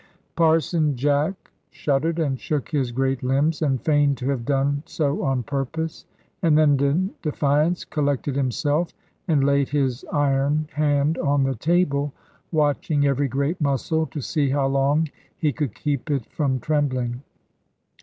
Parson Jack shuddered, and shook his great limbs, and feigned to have done so on purpose; and then in defiance collected himself, and laid his iron hand on the table, watching every great muscle, to see how long he could keep it from trembling.